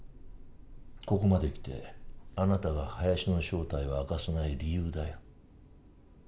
ここまで来てあなたがハヤシの正体を明かさない理由だよ。